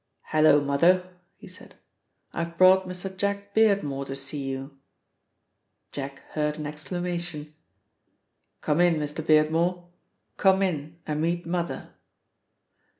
"Hello, Mother," he said. "I've brought Mr. Jack Beardmore to see you." Jack heard an exclamation. "Come in, Mr. Beardmore, come in and meet Mother."